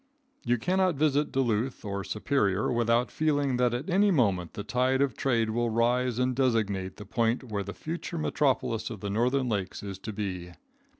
You cannot visit Duluth or Superior without feeling that at any moment the tide of trade will rise and designate the point where the future metropolis of the northern lakes is to be.